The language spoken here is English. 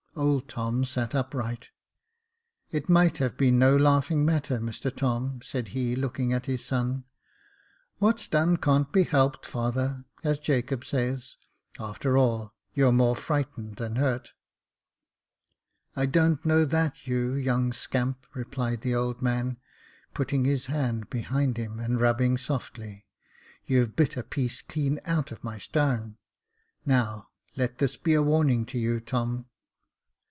Old Tom sat upright. " It might have been no laughing matter, Mr Tom," said he, looking at his son. " What's done can't be helped, father, as Jacob says. After all, you're more frightened than hurt." " I don't know that, you young scamp," replied the old man, putting his hand behind him, and rubbing softly ; you've bit a piece clean out of my starn. Now, let this be a warning to you, Tom.